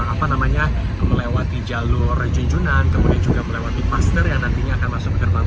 apa namanya melewati jalur junjunan kemudian juga melewati master yang nantinya akan masuk ke gerbang